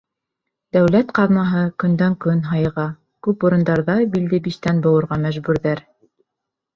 Дәүләт ҡаҙнаһы көндән-көн һайыға, күп урындарҙа билде биштән быуырға мәжбүрҙәр.